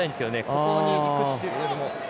ここにいくっていうよりも。